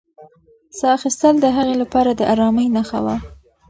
ساه اخیستل د هغې لپاره د ارامۍ نښه وه.